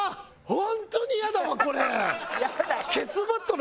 本当にイヤだわこれ！